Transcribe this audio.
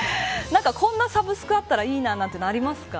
こんなサブスクあったらいいななんていうのありますか。